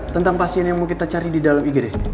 tentang pasien yang mau kita cari di dalam igd